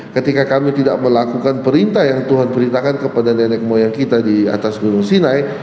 ketika kami tidak melakukan perintah yang tuhan perintahkan kepada nenek moyang kita di atas gunung sinai